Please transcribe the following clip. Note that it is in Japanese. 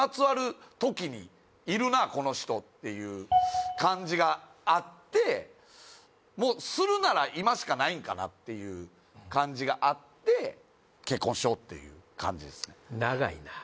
この人っていう感じがあってもうするなら今しかないんかなっていう感じがあって結婚しようっていう感じですね